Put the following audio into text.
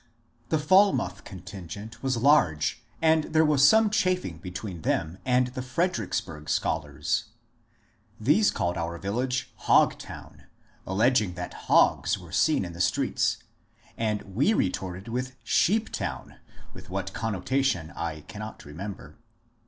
The Falmouth contingent was large, and there was some ^ chaffing " between them and the Fredericksburg scholars. These called our village ^^ Hog^wn," alleging that hogs were seen in the streets, and we retorted with ^* Sheeptown," with what connotation I cannot remember.